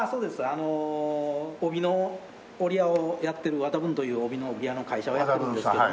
あの帯の織屋をやってる渡文という帯の織屋の会社がやってるんですけども。